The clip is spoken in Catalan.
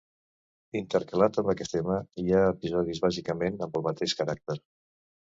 Intercalat amb aquest tema hi ha episodis bàsicament amb el mateix caràcter.